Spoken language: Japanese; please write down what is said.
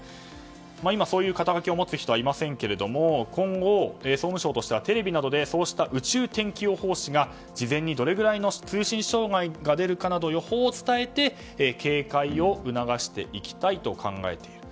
今、そういう肩書きを持つ人はいませんけども今後、総務省としてはテレビなどで宇宙天気予報士が事前にどれぐらいの通信障害が出るかなどの予報を伝えて、警戒を促していきたいと考えている。